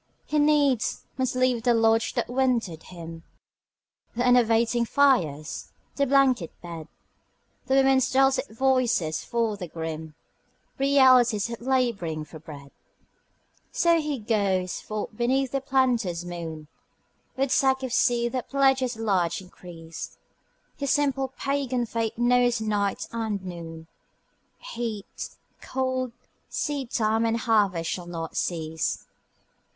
He needs must leave the lodge that wintered him, The enervating fires, the blanket bed The women's dulcet voices, for the grim Realities of labouring for bread. So goes he forth beneath the planter's moon With sack of seed that pledges large increase, His simple pagan faith knows night and noon, Heat, cold, seedtime and harvest shall not cease.